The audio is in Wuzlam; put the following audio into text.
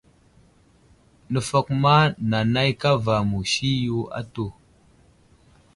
Nəfakuma nanay kava musi yo atu.